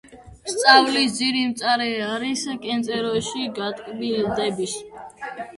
'სწავლის ძირი მწარე არის, კენწეროში გატკბილდების"